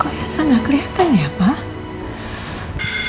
kok elsa nggak kelihatan ya pak